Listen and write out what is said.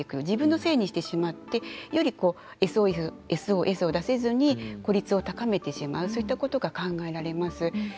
自分のせいにしてしまってよりＳＯＳを出せずに孤立を高めてしまうということが考えられます。